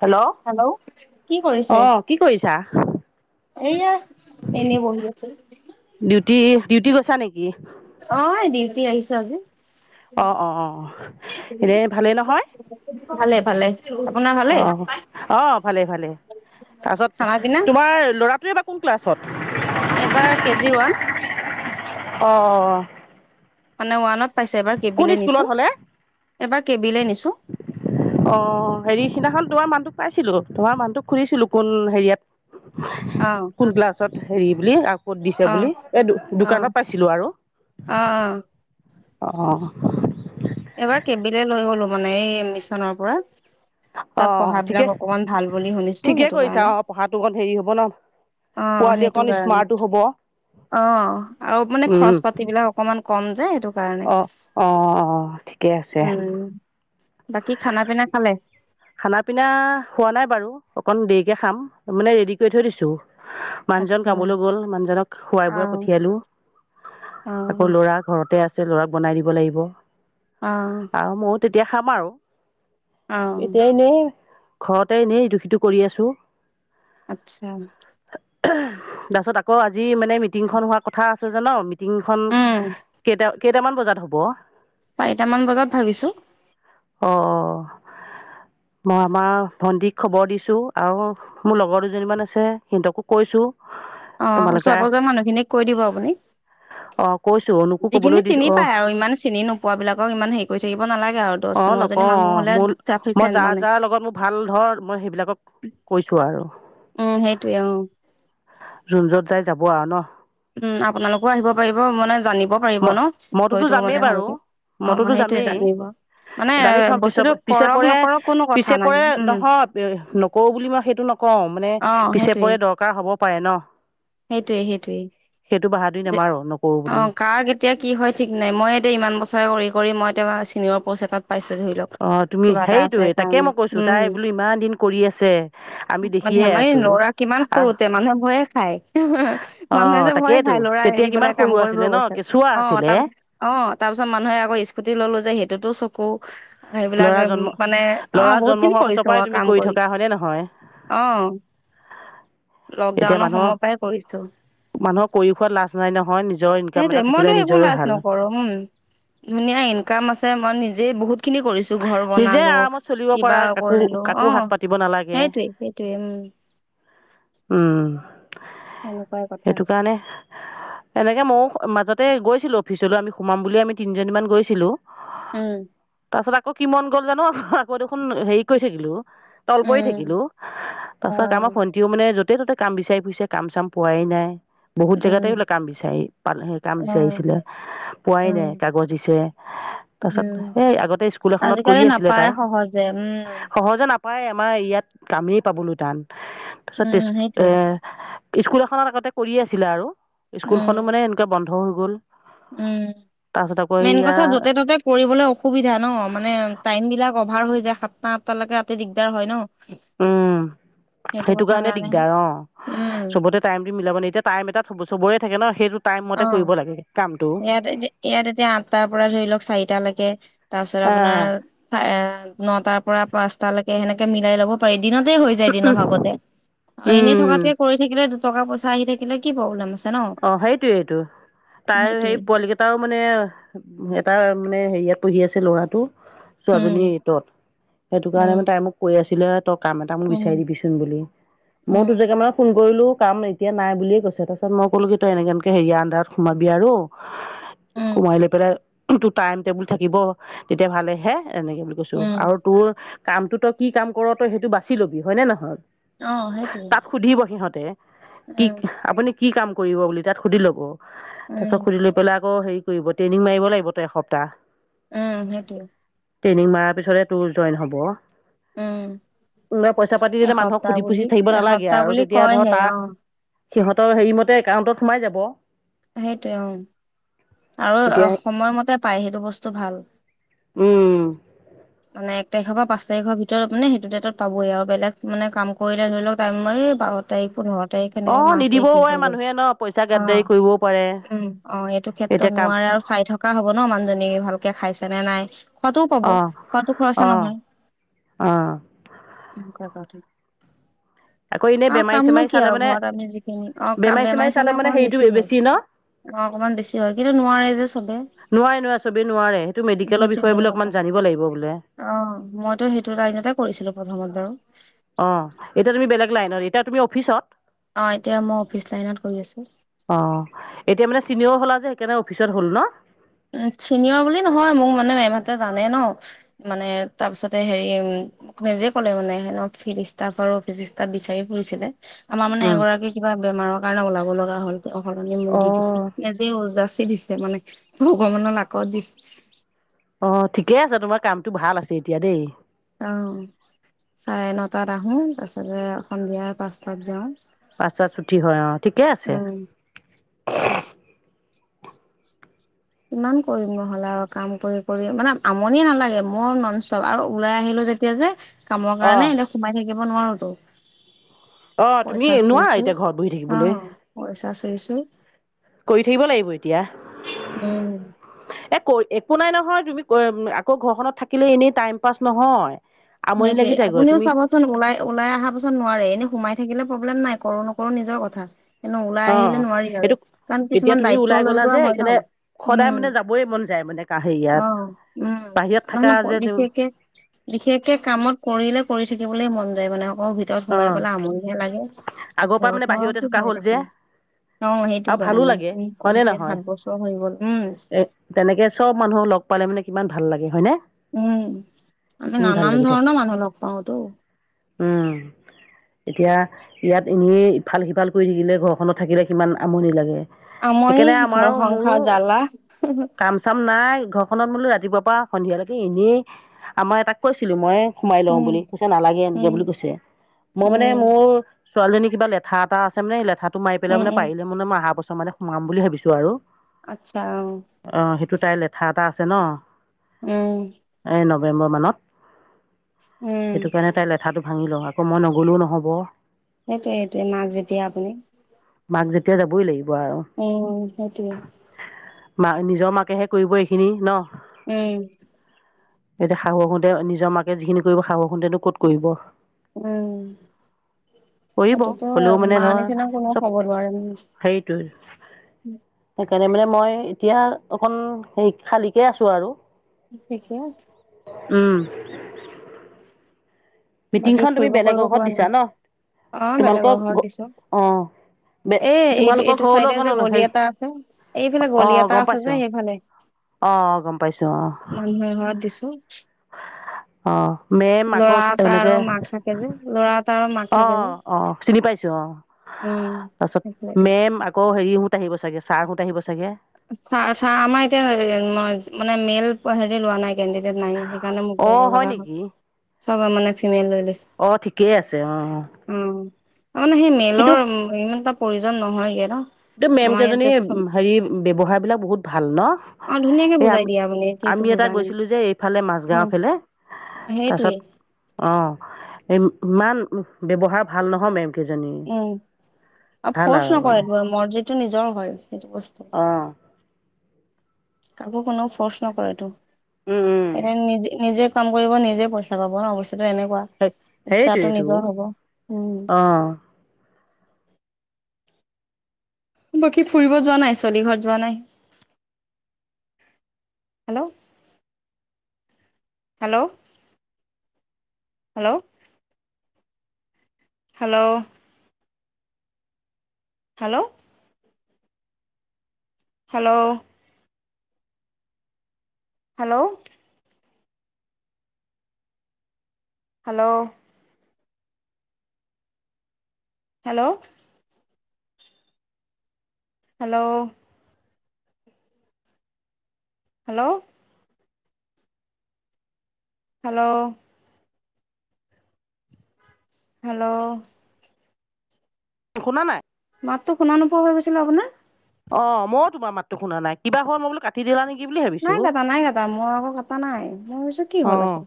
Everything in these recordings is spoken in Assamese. হেল্ল' কি আহ কি কৰিছা সয়া এনেই বন আছো ডিউটি ডিউটি কৈছা নেকি অ ডিউটি আহিছো আজি অ অ অ এনে ভালেই নহয় ভালে ভালে আপোনাৰ ভালে অ অ ভালে ভালে তাৰপিছত খানা পিনা? তোমাৰ ল'ৰাটোৱে কোন ক্লাছত? এবাৰ কেজিওৱান। অ। মানে ৱানত। পাইছে এবাৰ কে কোন বিলে স্কুলত নিছো, হ'লে এবাৰ কে বিলে নিছো। অ হেৰি সিদিনাখন তোমাৰ মানুহটোক পাইছিলো। তোমাৰ মানুহটোক খুুধিছিলো কোন অ হেৰিয়াত কোন ক্লাছত হেৰি বুলি আও ক'ত দিছে অ অ বুলি এই অ দোকানত পাইছিলো আৰু। অ অ। এবাৰ কেবিলে লৈ গলো মানে এই মিছনৰ পৰা। অ তাত পঢ়া ঠিকে বিলাক অকমান ভাল বুলি শুনিছোঁ ঠিকে সেইটো কৰিছা কাৰণে। অ পঢ়াটো অকণ হেৰি হ'ব ন অ'! পোৱালি সেইটো অকণ কাৰণে, স্মাৰ্টো হ'ব অ'! আৰু মানে উম খৰচ পাতি বিলাক অকমান কম যে এইটো অ'! অ'! অ'! অ'! ঠিকেই আছে। উম বাকী খানা পিনা খালে? খানা পিনা, হোৱা নাই বাৰু অকন দেৰিকে খাম। মানে, ৰেডি কৰি থৈ দিছোঁ। মানুহজন আচ্ছা কামলৈ গ'ল, মানুহজনক খোৱাই অ বোৱাই পঠিয়ালোঁ। অ অ আকৌ ল'ৰা ঘৰতে আছে। ল'ৰাক বনাই দিব লাগিব। অ'! আৰু ময়ো তেতিয়া খাম আৰু। অ', এতিয়াই এনেই ঘৰতে এনেই ইটো সিটো কৰি আছোঁ। আচ্ছা। তাৰপিছত আকৌ আজি মানে, মিটিং খন হোৱা কথা আছে জান? মিটিংখন উম, কেইটা কেইটামান বজাত হ'ব? চাৰিটামান বজাত ভাবিছোঁ! অ'! অ'! মই আমাৰ ভন্টীক খবৰ দিছোঁ আৰু মোৰ লগৰ দুজনীমান আছে, সিহঁতকো কৈছোঁ। অ'! ওচৰ পাজৰে মানুহখিনিক কৈ দিব আপুনি। অঁ কৈছোঁ অনুকো ক'বলৈ যিখিনি দিছ চিনি অঁ পায় আৰু ইমান চিনি নোপোৱা বিলাকক ইমান হেৰি কৰি থাকিব নালাগে আৰু। দহ অ'! পোন্ধৰজনী মানুহ নকওঁ। হ'লে মোৰ মই চাফিচিয়েণ্ট যা মানে যাৰ লগত মোৰ ভাল ধৰ মই সেইবিলাকক কৈছোঁ আৰু। উম, সেইটোয়ে অ', জোন য'ত যাই যাব আৰু ন'। উম, আপোনালোকো আহিব পাৰিব। মানে জানিব পাৰিব ম ন মইটোতো বিষয়টো যামেই মানে বাৰু ভালকে অ', মইটোতো সেইটোয়ে যামেই। জানিব মানে জানি থম পি বস্তুটো পিছে কৰক পৰে, নকৰক কোনো কথা পিছে নাই পৰে উম, নহয়, নকওঁ বুলি মই সেইটো নক কওঁ মানে অ', পিছে সেইটোয়ে পৰে দৰকাৰ হ'ব পাৰে ন'। সেইটোয়ে সেইটোয়ে সেই এইটো বাহাদুৰি নামাৰোঁ নকৰোঁ বুলি। এতিয়া কি হয় ঠিক নাই। মই এতিয়া ইমান বছৰে কৰি কৰি মই এতিয়া চিনিয়ৰ পচ এটাত পাইছো ধৰি লওক। অঁ তুমি কিবা এটা আছে সেইটোৱে তাকে কাৰণে, মই কৈছোঁ তাই উম! বোলো ইমান দিন কৰি আছে আমি দেখিয়ে ধেমালি ল'ৰা কিমান আছোঁ সৰুতে মানুহে ভয়ে খায়। অ মানুহে যে ভয় তাকেইতো তাই ল'ৰা তেতিয়া এৰি কিমান পেলাই কাম সৰু কৰিব আছিলে ন গৈছে। কেঁচুৱা অ'! আছিলে তাৰপিছত অ'! তাৰ পিছত মানুহে আকৌ স্কুটি ললোঁ যে, সেইটোতো চকু। -কু। ল'ৰা সেইবিলাকে জন্ম মানে, ল'ৰা অ'! জন্ম বহুতখিনি হোৱাৰ পাছৰ কৰিছোঁ। পৰাই অ'! তুমি কাম কৰি থকা হয়নে নহয় অ'! এতিয়া লকডাউনৰ মানুহৰ সময়ৰ পৰাই কৰিছোঁ। মানুহৰ কৰি খোৱাত লাজ নাই নহয় নিজৰ ইনকাম এটা সেইটোৱে থাকিলে মইতো একো নিজৰে লাজ ভাল নকৰোঁ। উম, ধুনীয়া ইনকাম আছে। মই নিজেই বহুত খিনি কৰিছোঁ। ঘৰ নিজে বনালোঁ, আৰামত চলিব পৰা কিবা কাকো কৰিলোঁ, কাকো হাত অ'! পাতিব নালাগে সেইটোৱে সেইটোৱে। উম! উম। সেনেকুৱাই কথা সেইটো কাৰণে, এনেকে মওঁ মাজত তে গৈছিলো অফিচলৈ, আমি সোমাম বুলিয়ে আমি তিনিজনীমান গৈছিলো। উম। তাৰপাছত আকৌ কি মন গ'ল জানো, আকৌ দেখোন হেৰি কৰি থাকিলো। তল পৰি উম থাকিলো, তাৰ অ পাছত আমাৰ ভন্টিও মানে য'ত য'তে ততে কাম বিচাৰি ফুৰিছে, কাম চাম পোৱাই নাই। বহুত জেগাতে উম বোলে কাম বিচাৰি পাল কাম অ বিচাৰিছিলে, পোৱাই নাই উম কাগজ দিছে তাৰ পাছত উম এই আগত এই স্কুল এখনত কৰি আজিকালি আছিলে নাপায় তাই, সহজে উম সহজে নাপ পায়ে আমাৰ ইয়াত কামেই পাবলৈ টান। তাৰপিছত উম তেজপ, সেইটোৱে এ স্কুল এখনত আগতে কৰি আছিলে আৰু। উম স্কুলখনো মানে এনেকে বন্ ন্ধ হৈ গ'ল। উম, তাৰপাছত আকৌ মেইন এইয়া কথা য'তে ত'তে কৰিবলৈ অসুবিধা ন, মানে টাইম বিলাক অভাৰ হৈ যায়, সাতটা আঠটা লেকে ৰাতি দিগদাৰ হয় ন। উম, সেইটো কাৰণে দিগদাৰ অ', উম চবতে টাইম দি মিলাবলে এতিয়া টাইম এটা চবৰে থাকে ন সেই টাইম মতে অ কৰিব লাগে, কাম। ইয়াত- ইয়াত এতিয়া আঠটাৰ পৰা ধৰি লওক চাৰিটালেকে, তাৰপিছত আপোনাৰ এ নটাৰ প পৰা পাঁচটালৈকে, সেনেকে মিলাই ল'ব পাৰি। দিনতে হৈ যায় দিনৰ আহ ভাগতে আৰু এনেই থকাতকে অঁ কৰি থাকিলে টকা-পইচা আহি থাকিলে কি প্ৰবলেম আছে। ন অ' সেইটোৱেইটো। তাইৰ সেইটোৱে হেৰি পোৱালিকেইটাও মানে, এটা মানে হেৰিয়াত পঢ়ি আছে ল'ৰাটো। উম ছোৱালীজনী এইটত, সেইটো কাৰণে উম মানে তাই মোক কৈ আছিলে তই কাম এটা মোক বিচাৰি উম দিবিচোন বুলি, মই দুই জেগা উম মানত ফোন কৰিলো কাম এতিয়া নাই বুলিয়ে কৈছে, তাৰপাছত মোক ক'লো কি তই এনেকে এনেকে হেৰিয়া আনদাৰত সোমাবি আৰু উম সোমাই লৈ পেলাই টো টাইম টেবুল থাকিব। তেতিয়া ভালেহে, এনেকে বুলি কৈছো উম আৰু তোৰ কামটো তই কি কাম কৰ, তই সেইটো বাচি লবি হয়নে নহয়? অ সেইটোৱেই। তাত সুধিব সিহঁতে কি আপুনি কি কাম?? কৰিব বুলি তাত সুধি লব তাৰ পিছত উম সুধি লৈ পেলাই আকৌ হেৰি কৰিব ট্ৰেইনিং মাৰিব লাগিব তই এসপ্তাহ উম সেইটোৱে। ট্ৰেইনিং মৰাৰ পিছতে তোৰ জইন হ'ব। উম কোনোবাই পইচা পাতি তেতিয়া মানুহক এসপ্তাহ সুধি বুলি পুচি থাকিব নালাগে এসপ্তাহ আৰু বুলি তেতিয়া ধৰ কয়হে তাৰ অ সিহঁতৰ হেৰি মতে একাউণ্টত সোমাই যাব। সেইটোৱে অ। আৰু তেতিয়া সময়মতে পাই সেইটো বস্তু ভাল। উম মাইক তাৰিখৰ পৰা পাঁচ তাৰিখৰ ভিতৰত মানে সেইটো ডেটত পাবই আৰু বেলেগ মানে কাম কৰিলে ধৰি লওক টাইম বাৰ তাৰিখ পোন্ধৰ তাৰিখ সনেকে অঁ মাহটোৱে নিদিবও শেষ পাৰে হৈ গৈ মানুহে ন পইচা অ গাদদাৰি কৰিবও পাৰে উম অ এইটো ক্ষেত্ৰ এতিয়া কাম নোৱাৰে আৰু চাই থকা হব ন মানুজনী। ভালকে খাইছে নে নাই? খোৱাটোও পাব অঁ খোৱাটো খৰচা অঁ নহয়। অঁ আকৌ এনেই আৰু বেমাৰী কাম নো চেমাৰী কি চালে আৰু মানে ঘৰত আমি যিখিনি অ কাম চেমাৰী বেমাৰী চালে মানে অকমান হেৰিটো বেছি হয় ন অ অকনমান বেছি। হেখিনি নোৱাৰে যে চবে নোৱাৰে নোৱাৰে চবেই নোৱাৰে সেইটো মেডিকেলৰ সেইটোৱে বিষয়ে মেন বোলে অকণমান কথা জানিব লাগিব বোলে অ মইতো সেইটো লাইনতে কৰিছিলো প্ৰথমতে। অ এতিয়া তুমি বেলেগ লাইনত এতিয়া তুমি অফিছত? অ এতিয়া মই অফিচ লাইনত কৰি আছো। কেনে অফিচত হ'ল ন? উ চিনিয়ৰ বুলি নহয় মোক মানে মেমহতে জানে ন মানে তাৰপিছতে হেৰি নিজে কলে মানে ফিল ষ্টফ আৰু অফিচ স্টফ বিচাৰি ফুৰিছিলে। আমাৰ মানে উম এগৰাকী কিবা বেমাৰত কাৰণে ওলাব লগা হ'ল এ অসদনিয়ে মোক অ দি দিছিল নিজে উকযাছি দিছে মানে ভগৱানৰ লাকত দিছ অ ঠিকে আছে তোমাৰ কামটো ভাল আছে এতিয়া দেই অ চাৰে নটাত আহোঁ তাৰপিছতে সন্ধিয়া পাঁচটাত যাওঁ পাঁছটাত ছুটি হয় অ ঠিকে আছে উম। কিমান কৰিম নহ'লে আৰু কাম কৰি কৰি মানে, আমনি নালাগে [unintelligible] ননষ্টপ আৰু ওলাই আহিলো যেতিয়া যে কামৰ কাৰণে এতিয়া সোমাই থাকি নিব নোৱাৰোতো। অ', তুমি পইচা চুই নোৱাৰা চুই এতিয়া ঘৰত বহি অ থাকিবলৈ, পইচা চুইছো কৰি থাকিব লাগিব এতিয়া। উম। এ, কৈ একো নাই নহয়, তুমি কৈ, আকৌ ঘৰখনত থাকিলেয়ো এনেই টাইম পাছ নহয়। আমনি লাগি সেইটোয়ে যায়গৈ আপুনিও তুমি চাবচোন ওলাই, ওলাই আহা পাছত নোৱাৰে এনেই সোমাই থাকিলে প্ৰব্লেম নাই, কৰোঁ, নকৰোঁ নিজৰ কথা। ওলাই অঁ আহিলে নোৱাৰি আৰু এইটো কাৰণ এতিয়া কিছুমান তুমি দায়িত্ব ওলাই লৈ গলা লোৱা যে হয়, ন? সেইকাৰণে সদায় উম, মানে যাবই মন যায় মানে হেৰিয়াত অ', উম, বাহিৰত থাকা নহয় যে বিশেষকে, বিশেষ মই কৰিলে কৰি থাকিবলৈ মন যায় মানে ঘৰৰ ভিতৰত সোমাই অঁ পেলাই আমনিহে লাগে। আগৰ পৰা মানে ঘৰতনো আৰু বাহিৰতে কি থকা সোমাই হ'ল যে, থাকিম অ সেইটো আৰু ভালো কাৰণে লাগে উম হয়, নে কমপ্লিট নহয়? সাত বছৰ হৈ গ'ল উম এ, তেনেকৈ চব মানুহ লগ পালে মানে কিমান ভাল লাগে হয়, নে? উম, আমি নানান থাকে ধৰণৰ মানুহ লগ পাওঁতো। উম, এতিয়া ইয়াত এনেই ইফাল, সিফাল কৰি থাকিলে ঘৰখনত থাকিলে কিমান আমনি লাগে। আমনি, সেইকাৰণে ঘৰ আমাৰো মোৰো সংসাৰ জ্বালা খনত বোলো ৰাতিপুৱাৰ পৰা সন্ধিয়ালৈকে এনেই আমাৰ এটাক কৈছিলোঁ মই সোমাই লওঁ উম বুলি, কৈছে নালাগে এনেকে উম বুলি কৈছে মই মানে উম মোৰ ছোৱালীজনীৰ কিবা লেঠা এটা আছে মানে লেঠা ত' মাৰ পেলাই উম মানে উম পাৰিলে মানে আহা চ মানে সোমাম বুলি ভাবিছো আৰু। আচ্ছা অ অ', সেইটো তাইৰ লেঠা এটা আ আছে ন'। উম। এ নৱেম্বৰ মানত। উম সেইটো কাৰণে তাই লেঠাটো ভাঙি লওঁ আকৌ মই নগলেও নহ'ব। সেইটোৱেটো মাক যেতিয়া আপুনি। মাক যেতিয়া যাবই লাগি উম, সেইটোৱে। মা নিজৰ মাকেহে কৰিব এইখিনি ন'। উম। এতিয়া শাহুৱেকহতে নিজৰ মাকে যিখিনি কৰিব শাহুহন্তে নো ক'ত কৰিব। উম। কৰিব সেইটোতো হয় হ'লেও মানে মা ধৰ নিচিনা কোনো চব হ'ব নোৱাৰে, উম। তেনে মানে মই এতিয়া অকন হে খালি কে আছো আৰু। ঠিকে উম'। বাকী মিটিংখন তুমি ফুৰিব কৰিব বেলেগৰ ঘৰত কোৱা দিছা নাই ন অ' তোমালোকৰ বেলেগৰ ঘৰত দিছো অঁ এ' এই তোমালোকৰ এইটো ঘৰলৈ চাইডে অকণ যে গলি হেৰি এটা আছে এইফালে গলি অঁ এটা গম আছে যে পাইছোঁ সেইফালে অঁ গম পাইছোঁ অঁ মানুহে ঘৰত দিছো। অঁ'। মে তাৰো মাক থাকে যে ল'ৰা তাৰো মাাক থাকে অঁ যে। অঁ চিনি পাইছো অ',। উম তাৰপিছত মেম আকৌ হেৰি [unintelligible] চাগে ছাৰহোত আহিব চাগে। [unintelligible] আমাৰ এতিয়া হেৰি ম -মানে মেল হেৰি লোৱা নাই। কেণ্ডিডেট নাই সেইকাৰণে মোক অঁ ল'ব হয় লগা হ'ল। [unintelligible] ফিমেল লৈছে আহ', ঠিকেই আছে অ'। তাৰমানে সেই মেলৰ উ' ইমান ত প্ৰয়োজন নহয়গৈ ন। [unintelligible] মেম আমাৰ ইয়াত কেইজনী যে চব হেৰি ব্যৱসায়বিলাক বহুত ভাল ন অ ধুনীয়াকে এই বুজাই দিয়ে আপুনি এইটো আ-আমি এটা বুজা নাই গৈছিলোঁ যে এইফালে উম মাাজগাঁওফালে তাৰপাছত সেইটোৱে অঁ',। ইমান ব্যৱহাৰ ভাল নহয় ম'ম উম আৰু ফৰ্চ নকৰে মৰ্জি টো নিজৰ হয়। [unintelligible] অঁ কাকো কোনোও ফৰ্চ নকৰেতটো। এনে নিজ-নিজে। কাম কৰিব নিজে পইচা পাব ন। এনেকুৱা সেই ইচ্ছাটো সেইটোৱেইতো নিজৰ হ'ব উম'। অঁ বাকী ফুৰিব যোৱা নাই ছোৱলি ঘৰত যোৱা নাই hello hello hello hello hello hello hello hello hello hello hello hello hello শুনা নাই মাতো শোনা নোপোৱা হৈ গৈছিল আপোনাৰ। অ ময়ো তোমাৰ মাতটো শুনা নাই কিবাোৱা মই বো কাটিদিলা নেকি বুলি নাই ভাবিছোঁ কাটা নাই কাটা মই আকৌ কটা নাই ম ই ভাবিছো কি হল অঁ আছে।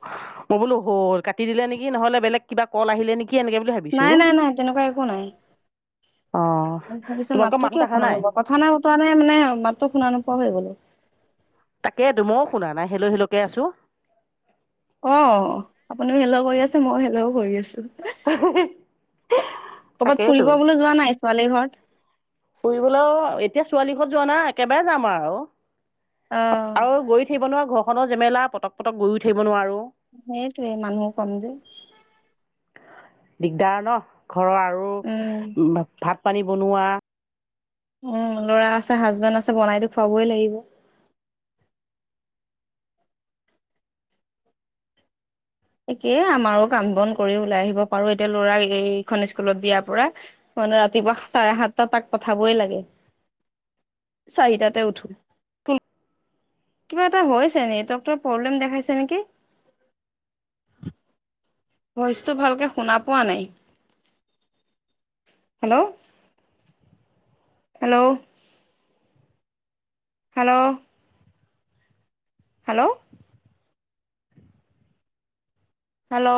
মই বোলো' হল কাট দিলেি নহ'লে বেলেগ কিব ক আহিলে নেকি এনেকৈ বুলি নাই ভাবিছোঁ নাই নাই তেনেকুৱা একো নাই অঁ তাৰ পিছত তোমালোকৰ মাতো মাতবোত কিয় অহা শুনা নাই নোবোৱা কথা নাই বতৰা নাই মানে মাতটো শুনা নোপোৱা হৈ গ'লো তাকেইতো ময়ো শুনা নাই হেল্ল হেল্ল কে আছো। অ আপুনিও হেল্ল কৰি আছে মই হেল্ল কৰি আছো হে কৰবাত তাকেইতো ফুৰিব বোলো যোৱা নাই। ছোৱালীহত ফুৰিবলৈও এতিয়া ছোৱালী ঘত যোৱা না একেবাৰে যাম আওঁ অ আৰু গৈ থাকিবনোৱাৰা ঘৰ খনৰ জেমেলা পটক পটক গৈ উঠাকিব নোৱাৰো সেইটোৱে মানুহো কম যে দিগদাৰ ন ঘৰৰ আৰু উম ভাত পানী বনোৱা উম লৰা আছে হাজবেণ্ড। একে আমাৰো কাম বন কৰি ওলাই আহিব পাৰো এতিয়া লৰা এইখন স্কুলত দিয়াৰ পৰা মানে ৰাতিপুৱা চাৰে সাতটা তাক পঠাবই লাগে চাৰিটাতে উঠো। কিবা হৈছে নেটৱৰ্কৰ প্ৰব্লেম দেখাইছে নেকি। [unintelligible] ভইচটো ভালকে শুনা পোৱা নাই হেল্ল' হেল্ল উ হেল্ল' হেল্ল' হেল্ল'